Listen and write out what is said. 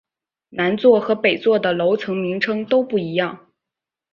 南座和北座的楼层名称都不一样。